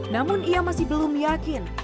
namun ia masih belum yakin